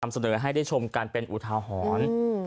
นำเสนอให้ได้ชมการเป็นอุทาหอน